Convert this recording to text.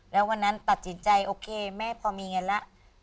แล้ววันนั้นตัดสินใจโอเคแม่พอมีเงินแล้ว